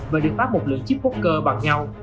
và được phát một lượng chip poker bằng nhau